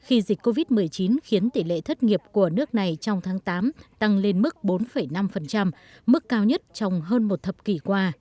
khi dịch covid một mươi chín khiến tỷ lệ thất nghiệp của nước này trong tháng tám tăng lên mức bốn năm mức cao nhất trong hơn một thập kỷ qua